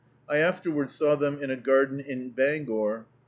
I afterward saw them in a garden in Bangor.